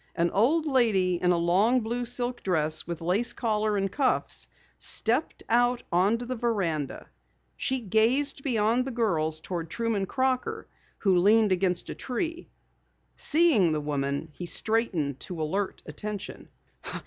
An old lady in a long blue silk dress with lace collar and cuffs, stepped out onto the veranda. She gazed beyond the girls toward Truman Crocker who leaned against a tree. Seeing the woman, he straightened to alert attention.